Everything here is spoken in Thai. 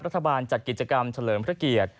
รัฐบาลจัดกิจกรรมเฉลิมพระเกียรติ